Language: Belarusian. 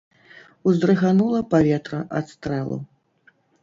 Уздрыганула паветра ад стрэлу.